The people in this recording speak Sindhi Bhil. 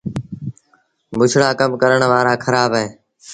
بُڇڙآ ڪم ڪرڻ وآرآ کرآب اهين۔